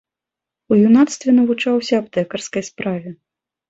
У юнацтве навучаўся аптэкарскай справе.